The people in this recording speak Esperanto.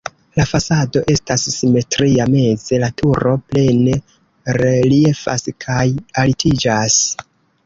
La fasado estas simetria, meze la turo plene reliefas kaj altiĝas.